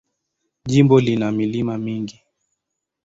Jimbo lina milima mingi.